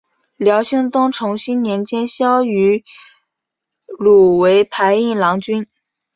辽兴宗重熙年间萧迂鲁为牌印郎君。